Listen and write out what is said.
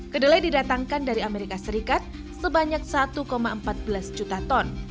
kedelai didatangkan dari amerika serikat sebanyak satu empat belas juta ton